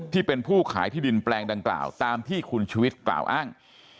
ที่เป็นผู้ขายที่ดินแปลงดังกล่าวตามที่คุณชุวิตกล่าวอ้าง